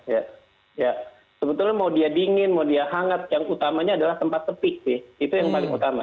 ya sebetulnya mau dia dingin mau dia hangat yang utamanya adalah tempat sepi sih itu yang paling utama